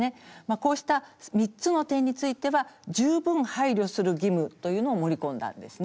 こうした３つの点については十分配慮する義務というのを盛り込んだんですね。